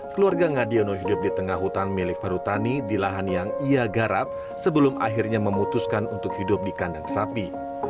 keluarga ngadiono hidup di tengah hutan milik perhutani di lahan yang ia garap sebelum akhirnya memutuskan untuk hidup di kandang sapi